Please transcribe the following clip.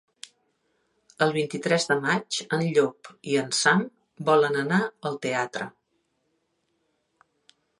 El vint-i-tres de maig en Llop i en Sam volen anar al teatre.